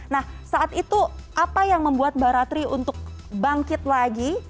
nah saat itu apa yang membuat mbak ratri untuk bangkit lagi